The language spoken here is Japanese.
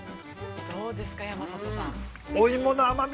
◆どうですか、山里さん。